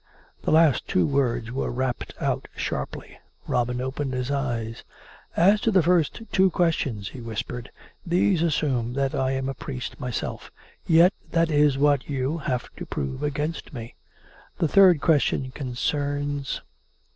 The last two words were rapped out sharply. Robin opened his eyes. " As to the first two questions," he whispered. " These 454 COME RACK! COME ROPE! assume that I am a priest myself. Yet that is what you have to prove against me. The third question concerns